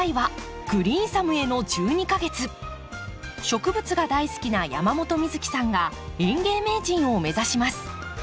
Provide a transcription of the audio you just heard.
植物が大好きな山本美月さんが園芸名人を目指します。